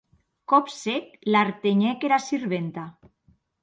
Còp sec, l'artenhec era sirventa.